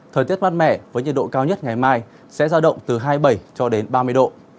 thời tiết mát mẻ với nhiệt độ cao nhất ngày mai sẽ ra động từ hai mươi bảy cho đến ba mươi độ